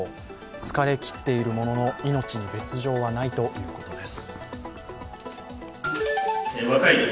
疲れ切っているものの命に別状はないということです。